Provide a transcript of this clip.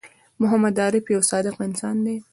محمد عارف یوه صادق انسان دی